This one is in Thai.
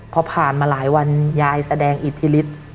พอผ่านมาหลายวันยายแสดงอิทธิฤทธิ์